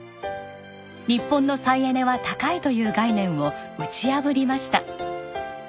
日本の再エネは高いという概念を打ち破りました。